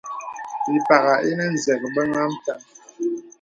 Ì pàghā ìnə nzəbəŋ à mpiaŋ.